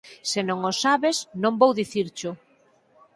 Se non o sabes, non vou dicircho!